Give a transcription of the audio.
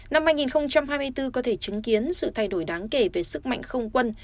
năm hai nghìn hai mươi bốn có thể chứng kiến sự thay đổi đáng kể về sức mạnh không quân